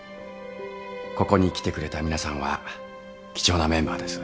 ここに来てくれた皆さんは貴重なメンバーです。